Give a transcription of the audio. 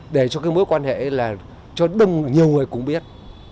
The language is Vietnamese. để cho cái mối quan hệ ấy là cho đông nhiều người cũng biết